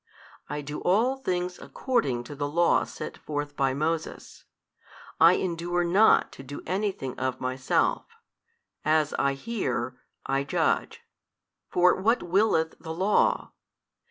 I do all things according to the Law set forth by Moses, I endure not to do anything of Myself, as I hear, I judge. For what willeth the Law?